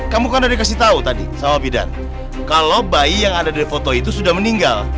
kamu kan udah dikasih tahu tadi sama bidan kalau bayi yang ada dari foto itu sudah meninggal